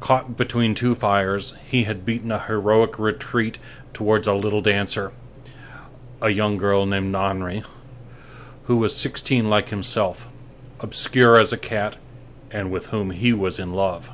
Caught between two fires, he had beaten a heroic retreat towards a little dancer, a young girl named Nahenry, who was sixteen like himself, obscure as a cat, and with whom he was in love.